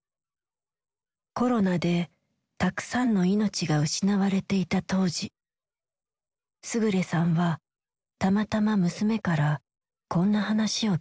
コロナでたくさんの命が失われていた当時勝さんはたまたま娘からこんな話を聞いていた。